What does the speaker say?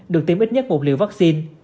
được tiêm ít nhất một liều vaccine